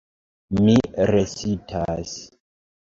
Mi restas!